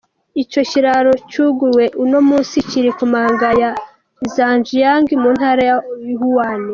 Ico kiraro cuguruwe uno munsi kiri ku manga ya Zhangjiajie mu ntara ya Hunan.